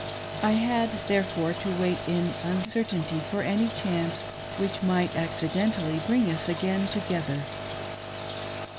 I had, therefore, to wait in uncertainty for any chance which might accidentally bring us again together.